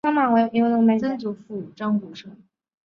曾祖父张谷成。